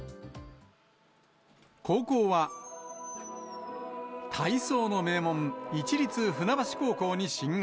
高校は、体操の名門、市立船橋高校に進学。